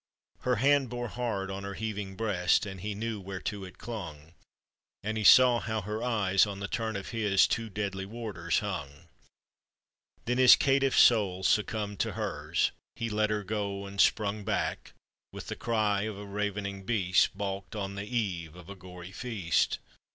Her hand bore hard on her heaving breast, And he knew whereto it clung, And saw how her eyes on the turn of his, Two deadly warders, hung; Then his caitiff soul succumbed to hers, He let her go, and sprung Back with the cry of a ravening beast Baulked on the eve of a gory feast.